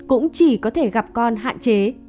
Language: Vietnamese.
cũng chỉ có thể gặp con hạn chế